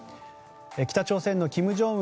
北朝鮮の金正恩